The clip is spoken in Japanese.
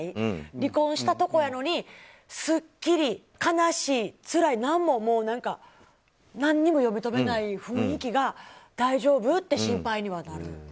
離婚したとこやのにすっきり、悲しい、つらい何にも読み取れない雰囲気が大丈夫？って心配にはなる。